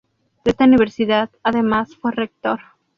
De esta universidad, además, fue rector.